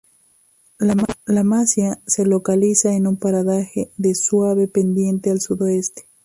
La masía se localiza en un paraje de suave pendiente al sudoeste.